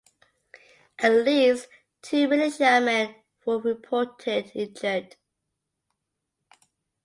At least two militiamen were reported injured.